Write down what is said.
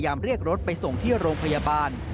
เรียกรถไปส่งที่โรงพยาบาล